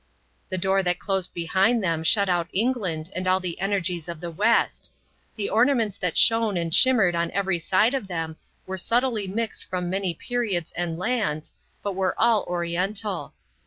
The door that closed behind them shut out England and all the energies of the West. The ornaments that shone and shimmered on every side of them were subtly mixed from many periods and lands, but were all oriental.